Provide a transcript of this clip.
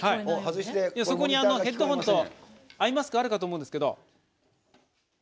そこにヘッドホンとアイマスクがあるかと思うんですけど。